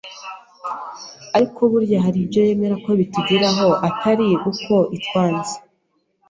ariko burya hari ibyo yemera ko bitugeraho atari uko itwanze